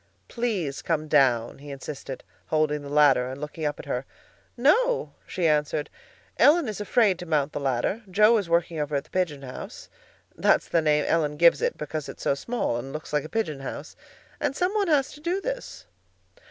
"Please come down," he insisted, holding the ladder and looking up at her. "No," she answered; "Ellen is afraid to mount the ladder. Joe is working over at the 'pigeon house'—that's the name Ellen gives it, because it's so small and looks like a pigeon house—and some one has to do this."